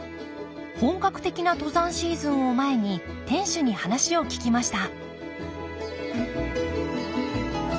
本格的な登山シーズンを前に店主に話を聞きました